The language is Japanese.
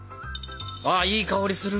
あいい香りする。